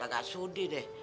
gak gak sudi deh